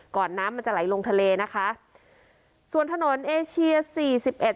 น้ำมันจะไหลลงทะเลนะคะส่วนถนนเอเชียสี่สิบเอ็ด